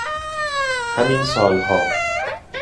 همین سال ها